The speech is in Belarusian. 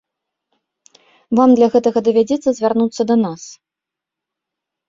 Вам для гэтага давядзецца звярнуцца да нас.